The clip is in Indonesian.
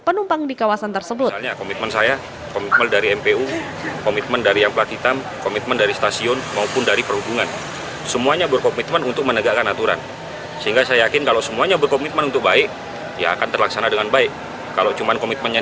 penumpang di kawasan tersebut